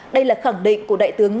đây là khẳng định của đại tướng